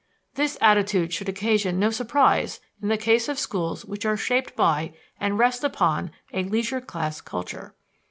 This attitude should occasion no surprise in the case of schools which are shaped by and rest upon a leisure class culture.